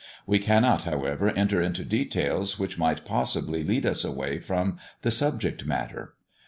We cannot, however, enter into details which might possibly lead us away from the subject matter.